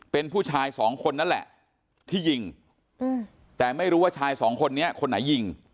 เป็นผู้ชายสองคนนั่นแหละที่ยิงแต่ไม่รู้ว่าชายสองคนนี้คนไหนยิง